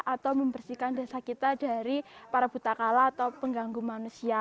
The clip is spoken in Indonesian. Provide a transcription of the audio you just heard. atau membersihkan desa kita dari para buta kala atau pengganggu manusia